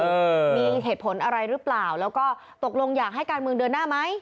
เออมีเหตุผลอะไรหรือเปล่าแล้วก็ตกลงอยากให้การเมืองเดินหน้าไหม